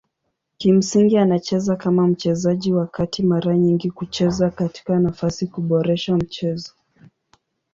Kimsingi anacheza kama mchezaji wa kati mara nyingi kucheza katika nafasi kuboresha mchezo.